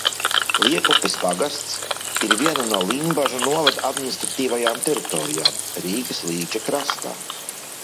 Liepupes pagasts ir viena no Limbažu novada administratīvajām teritorijām Rīgas līča krastā.